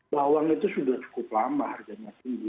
bawang itu sudah cukup lama harganya tinggi